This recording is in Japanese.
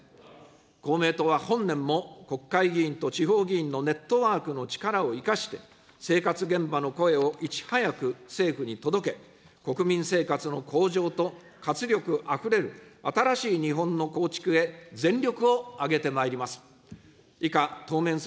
公明党は本年も、国会議員と地方議員のネットワークの力を生かして、生活現場の声をいち早く政府に届け、国民生活の向上と活力あふれる新しい日本の構築へ、全力を挙げてまいります。